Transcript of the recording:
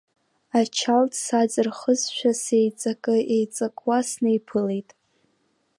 Ачалт сааҵырхызшәа сеиҵакы-еиҵакуа снеиԥылеит.